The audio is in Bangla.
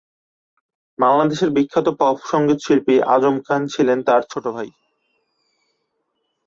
বাংলাদেশের প্রখ্যাত পপ সঙ্গীত শিল্পী আজম খান ছিলেন তার ছোট ভাই।